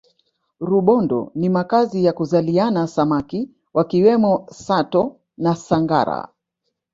rubondo ni makazi ya kuzaliana samaki wakiwemo sato na sangara